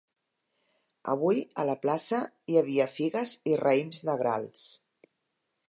Avui, a la plaça, hi havia figues i raïms negrals.